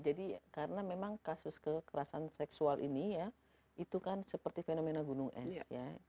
jadi karena memang kasus kekerasan seksual ini ya itu kan seperti fenomena gunung es ya